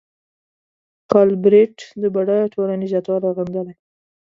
ګالبرېټ د بډایه ټولنې زیاتوالی غندلی.